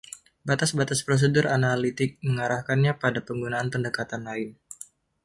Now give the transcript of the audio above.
Batas-batas prosedur analitik mengarahkannya pada penggunaan pendekatan lain.